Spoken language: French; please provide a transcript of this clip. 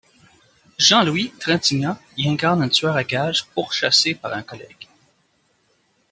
Jean-Louis Trintignant y incarne un tueur à gages pourchassé par un collègue.